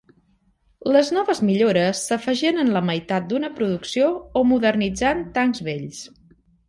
Les noves millores s'afegien en la meitat d'una producció o modernitzant tancs vells.